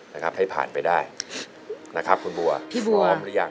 นะครับให้ผ่านไปได้นะครับคุณบัวพี่บัวพร้อมหรือยัง